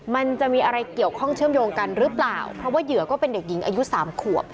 มันจะมีอะไรเกี่ยวข้องเชื่อมโยงกันหรือเปล่าเพราะว่าเหยื่อก็เป็นเด็กหญิงอายุสามขวบ